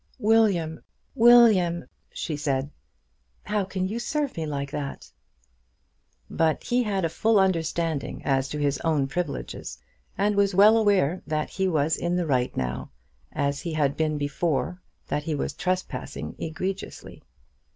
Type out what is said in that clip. "William, William," she said; "how can you serve me like that?" But he had a full understanding as to his own privileges, and was well aware that he was in the right now, as he had been before that he was trespassing egregiously.